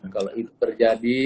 kalau itu terjadi